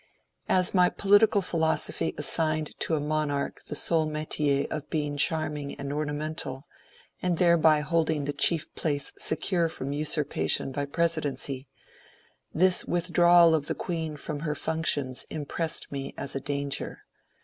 As my political philosophy assigned to a monarch the sole metier of being charming and ornamental, and thereby hold ing the chief place secure from usurpation by presidency (honig im frock) ^ this withdrawal of the Queen from her functions impressed me as a danger.